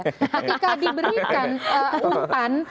ketika diberikan umpan